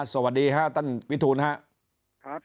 สวัสดีครับตั้งวิทูลครับ